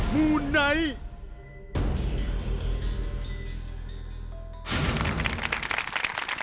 มูไนท์